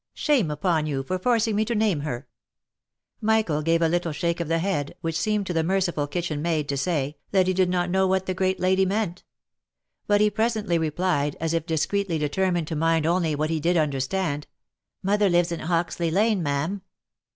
— Shame upon you for forcing me to name her !" Michael gave a little shake of the head, which seemed to the merciful kitchen maid to say, that he did not know what the great lady meant ; but he presently replied, as if discreetly determined to mind only what he did understand, " Mother lives in Hoxley Lane, ma'am."